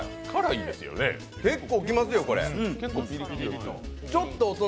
結構きますよ、これ。